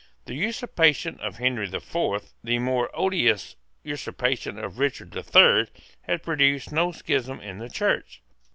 The usurpation of Henry the Fourth, the more odious usurpation of Richard the Third, had produced no schism in the Church.